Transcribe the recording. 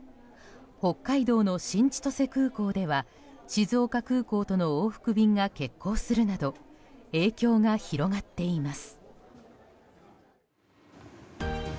北海道の新千歳空港では静岡空港との往復便が欠航するなど影響が広がっています。